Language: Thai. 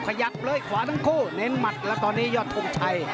ขยับเลยขวาทั้งคู่เน้นหมัดแล้วตอนนี้ยอดทงชัย